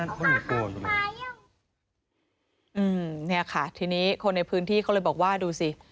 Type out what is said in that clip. อืมเนี่ยค่ะทีนี้คนในพื้นที่เขาเลยบอกว่าดูสิ